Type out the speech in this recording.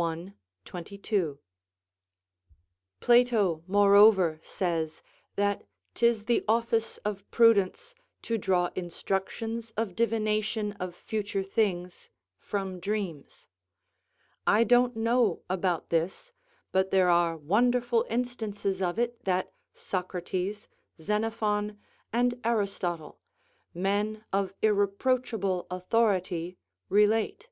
i. 22.] Plato, moreover, says, that 'tis the office of prudence to draw instructions of divination of future things from dreams: I don't know about this, but there are wonderful instances of it that Socrates, Xenophon, and Aristotle, men of irreproachable authority, relate.